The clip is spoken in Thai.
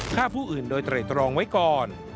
ฆ่าผู้อื่นโดยไตรตรองไว้ก่อน